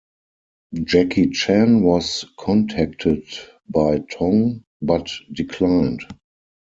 Jackie Chan was contacted by Tong, but declined.